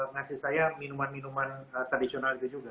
ngasih saya minuman minuman tradisional itu juga